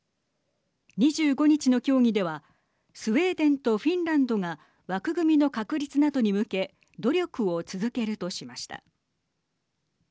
２５日の協議ではスウェーデンとフィンランドが枠組みの確立などに向け努力を続けるとしました。